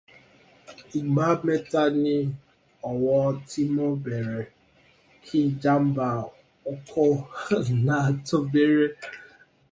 Igba mẹ́ta ni owó tí mo bèèrè kí ìjàmbá ọkọ̀ náà tó bẹ̀rẹ̀